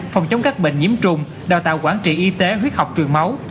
phòng chống các bệnh nhiễm trùng đào tạo quản trị y tế huyết học truyền máu